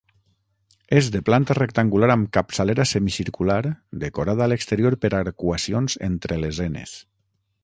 És de planta rectangular amb capçalera semicircular decorada a l'exterior per arcuacions entre lesenes.